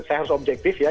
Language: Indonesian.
saya harus objektif ya